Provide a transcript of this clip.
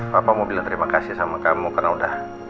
papa mau bilang terima kasih sama kamu karena udah